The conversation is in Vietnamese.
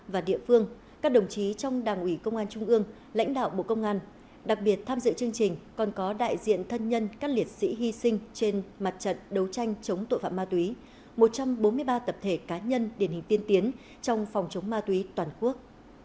trong mặt đảng ủy công an trung ương lãnh đạo bộ công an đặc biệt tham dự chương trình còn có đại diện thân nhân các liệt sĩ hy sinh trên mặt trận đấu tranh chống tội phạm ma túy một trăm bốn mươi ba tập thể cá nhân điển hình tiên tiến trong phòng chống ma túy toàn quốc